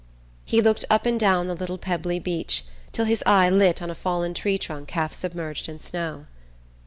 He looked up and down the little pebbly beach till his eye lit on a fallen tree trunk half submerged in snow.